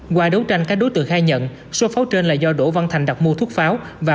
qua đấu tranh các đối tượng khai nhận số pháo trên là do đỗ văn thành đặt mua thuốc pháo và